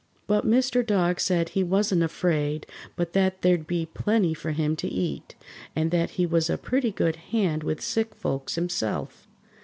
But Mr. Dog said he wasn't afraid but that there'd be plenty for him to eat, and that he was a pretty good hand with sick folks himself.